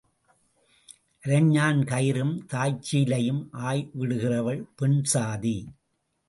அரைஞாண் கயிறும் தாய்ச்சீலையும் ஆய்விடுகிறவள் பெண்சாதி.